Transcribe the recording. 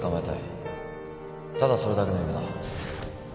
ただそれだけの夢だ